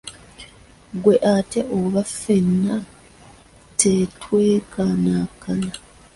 Ggwe ate oba ffenna tetwenkanankana.